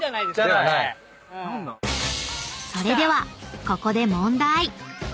［それではここで］